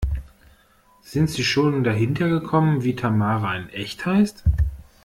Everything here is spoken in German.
Sind Sie schon dahinter gekommen, wie Tamara in echt heißt?